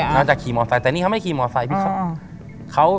นอกจากขี่มอเซ้นแต่นี่เขาไม่ได้ขี่มอเซ้น